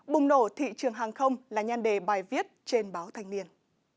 bùng nổ thị trường hàng không là nhan đề bài viết trên báo thanh niên